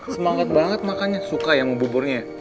semangat banget makanya suka ya mau buburnya